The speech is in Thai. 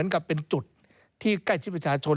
กับเป็นจุดที่ใกล้ชิดประชาชน